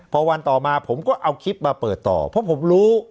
พอวันต่อมาผมก็เอาคลิปมาเปิดต่อเพราะผมรู้